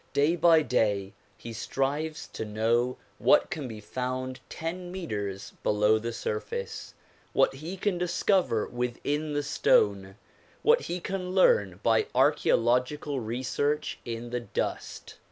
Day by day he strives to know what can be found ten metres below the surface, what he can discover within the stone, what he can learn by archaeo logical research in the dust.